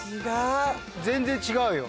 全然違うよ。